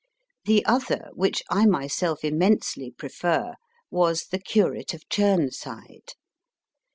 The other, which I myself immensely prefer, was The Curate of Churnside.